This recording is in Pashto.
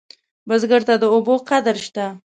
بزګر ته د اوبو قدر شته